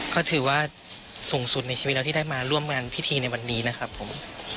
ก็ถือว่าสูงสุดในชีวิตแล้วที่ได้มาร่วมงานพิธีในวันนี้นะครับผม